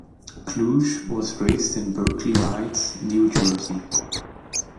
Kluge was raised in Berkeley Heights, New Jersey.